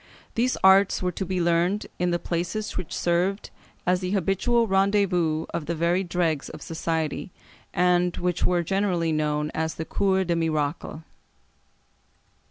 These arts were to be learned in the places which served as the habitual rendezvous of the very dregs of society, and which were generally known as the Cours des Miracles.